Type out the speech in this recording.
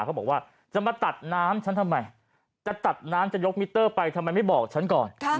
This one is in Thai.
เขาบอกว่าจะมาตัดน้ำฉันทำไมจะตัดน้ำจะยกมิเตอร์ไปทำไมไม่บอกฉันก่อน